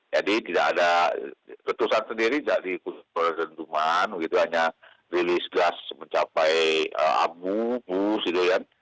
jadi tidak ada letusan sendiri jadi berhentuman hanya rilis gas mencapai abu bus gitu ya